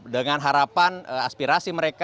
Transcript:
dengan harapan aspirasi mereka